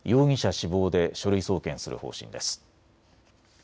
死亡で書類送検する方針です。